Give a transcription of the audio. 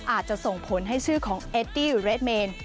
อาจจะส่งผลให้ชื่อของเอดดี้เรดเมน